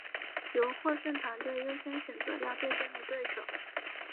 由获胜团队优先选择要对阵的对手。